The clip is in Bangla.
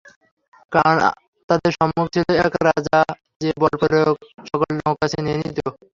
কারণ, তাদের সম্মুখে ছিল এক রাজা যে বলপ্রয়োগে সকল নৌকা ছিনিয়ে নিত।